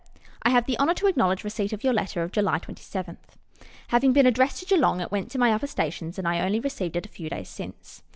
I have the honour to acknowledge receipt of your letter of July 27th. Having been addressed to Geelong, it went to my upper stations, and I only received it a few days since.